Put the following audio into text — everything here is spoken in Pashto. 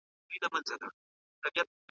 ما له ازله بې خبره کوچي